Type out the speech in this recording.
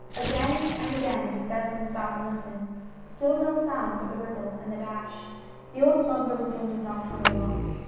Again and again did Beslin stop and listen, still no sound but the ripple and the dash. The old smuggler resumed his nocturnal walk.